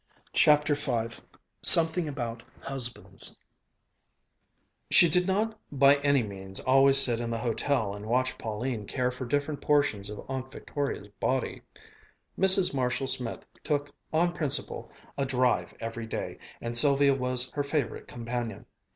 CHAPTER V SOMETHING ABOUT HUSBANDS She did not by any means always sit in the hotel and watch Pauline care for different portions of Aunt Victoria's body. Mrs. Marshall Smith took, on principle, a drive every day, and Sylvia was her favorite companion.